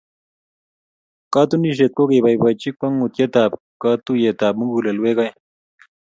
Katunisyet ko keboibochi kwong'utietab katuiyetab mugulelweek aeng.